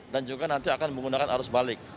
dan juga nanti akan menggunakan arus balik